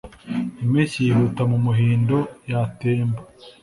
Impeshyi yihuta mumuhindo yatemba